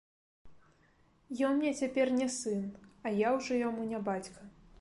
Ён мне цяпер не сын, а я ўжо яму не бацька.